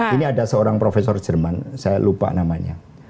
ini ada seorang profesor jerman saya lupa namanya